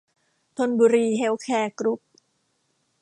ธนบุรี เฮลท์แคร์ กรุ๊ป